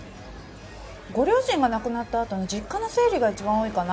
ご両親が亡くなったあとの実家の整理が一番多いかな。